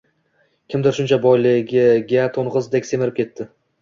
Kimdir shuncha boyligiga, to’ng’izdek semirib ketdi.